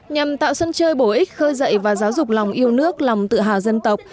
nhằm tạo sân chơi bổ ích khơi dậy và giáo dục lòng yêu nước lòng tự hào dân tộc